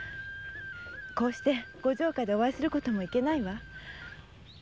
こうしてご城下でお会いすることもいけないわ。